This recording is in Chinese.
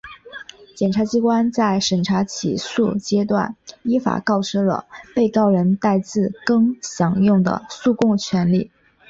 检察机关在审查起诉阶段依法告知了被告人戴自更享有的诉讼权利